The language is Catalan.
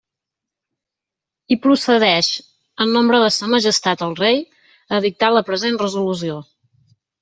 I procedeix, en nombre de sa majestat el rei, a dictar la present resolució.